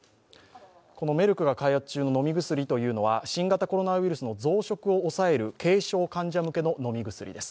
このメルクが開発中の飲み薬は新型コロナウイルスの増殖を抑える軽症患者向けの飲み薬です。